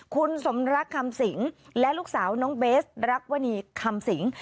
คุณส่วงนะครามสิงมและลูกสาวน้องเบสลักวณีคัมสิง